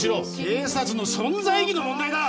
・警察の存在意義の問題だ！